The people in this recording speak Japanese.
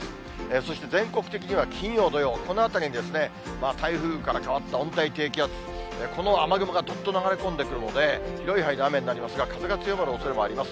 そして全国的には金曜、土曜、このあたりに台風から変わった温帯低気圧、この雨雲がどっと流れ込んでくるので、広い範囲で雨になりますが、風が強まるおそれもあります。